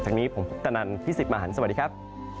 จากนี้ผมคุณตะนันพิสิบมาหันสวัสดีครับ